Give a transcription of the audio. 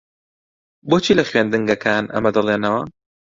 بۆچی لە خوێندنگەکان ئەمە دەڵێنەوە؟